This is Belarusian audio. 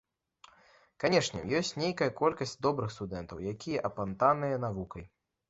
Канешне, ёсць нейкая колькасць добрых студэнтаў, якія апантаныя навукай.